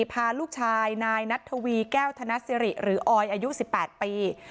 พาลูกชายนายนัททวีแก้วธนสิริหรือออยอายุ๑๘ปี